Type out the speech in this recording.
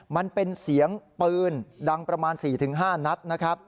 มันเป็นเสียงปืนดังประมาณ๔๕นัดนะครับ